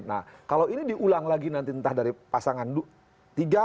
nah kalau ini diulang lagi nanti entah dari pasangan tiga